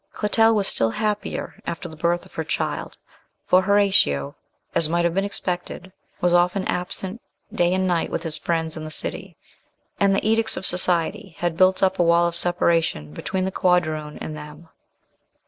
Clotel was still happier after the birth of her dear child; for Horatio, as might have been expected, was often absent day and night with his friends in the city, and the edicts of society had built up a wall of separation between the quadroon and them.